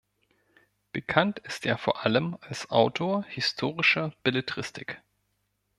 Bekannt ist er vor allem als Autor historischer Belletristik.